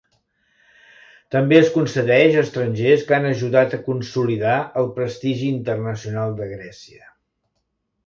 També es concedeix a estrangers que han ajudat a consolidar el prestigi internacional de Grècia.